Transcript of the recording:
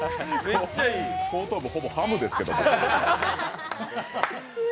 後頭部ほぼハムですけども。